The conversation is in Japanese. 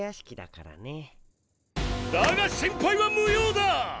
だが心配は無用だ！